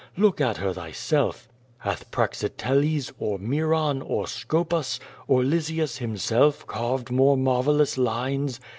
Look at her thyself. Hath Praxiteles, or Miron, or Scopes, or Lysias hims<*lf carved more marvellous lines?